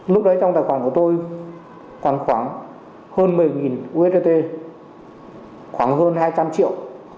lúc đấy trong tài khoản của tôi khoảng hơn một mươi usdt khoảng hơn hai trăm linh triệu